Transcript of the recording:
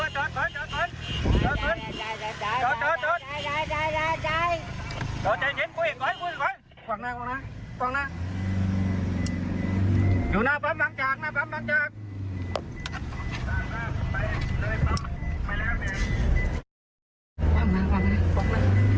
โดดโดดโดดเดี๋ยวคุณมึงคุณมึง